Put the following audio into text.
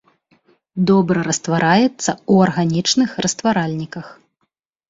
Добра раствараецца ў арганічных растваральніках.